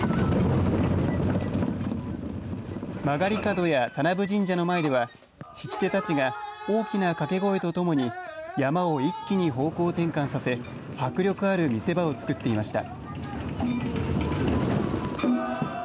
曲がり角や田名部神社の前には引き手たちが大きなかけ声とともにヤマを一気に方向転換させ迫力ある見せ場をつくっていました。